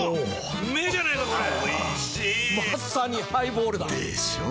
うめぇじゃないかこれ美味しいまさにハイボールだでっしょ？